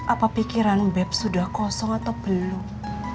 apa pikiran bep sudah kosong atau belum